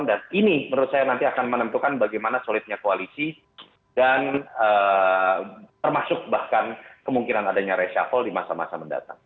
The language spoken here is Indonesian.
dan ini menurut saya nanti akan menentukan bagaimana solidnya koalisi dan termasuk bahkan kemungkinan adanya reshuffle di masa masa mendatang